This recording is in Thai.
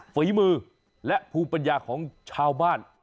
ฝีมือและภูมิปัญญาของชาวบ้าน